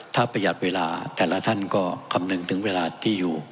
ถ้าประหยัดเวลาแต่ละท่านก็คำนึงถึงเวลาที่อยู่